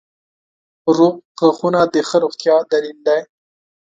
• روغ غاښونه د ښه روغتیا دلیل دی.